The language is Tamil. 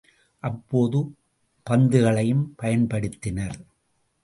அப்போது பந்துகளையும் பயன்படுத்தினர்.